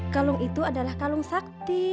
kalung itu adalah kalung sakti